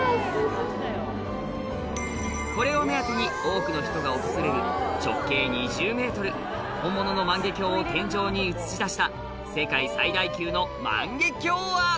これを目当てに多くの人が訪れる直径２０ｍ本物の万華鏡を天井に映し出した・